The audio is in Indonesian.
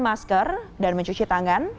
masker dan mencuci tangan